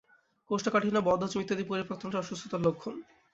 কোষ্ঠকাঠিন্য, বদহজম ইত্যাদি পরিপাকতন্ত্রের অসুস্থতার লক্ষণ।